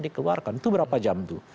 dikeluarkan itu berapa jam tuh